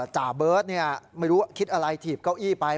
จ่าเบิร์ตไม่รู้คิดอะไรถีบเก้าอี้ไป